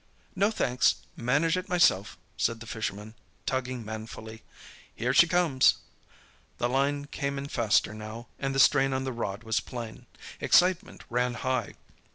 "No, thanks—manage it myself," said the fisherman, tugging manfully. "Here she comes!" The line came in faster now, and the strain on the rod was plain. Excitement ran high.